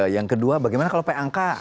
yang kedua bagaimana kalau p angka